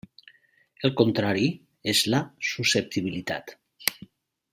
El contrari és la susceptibilitat.